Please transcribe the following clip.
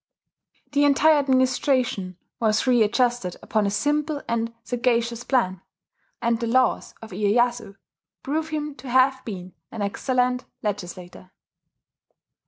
The entire administration was readjusted upon a simple and sagacious plan; and the Laws of Iyeyasu prove him to have been an excellent legislator.